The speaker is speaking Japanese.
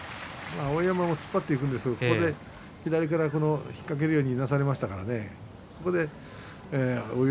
碧山も突っ張っていくんですが左から引っ掛けるようにいなされましたからね。